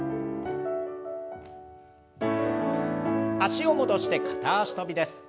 脚を戻して片脚跳びです。